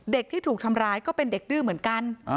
เด็กที่ถูกทำร้ายก็เป็นเด็กดื้อเหมือนกัน